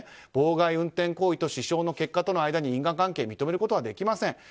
妨害運転行為と死傷の結果との間に因果関係を認めることはできません。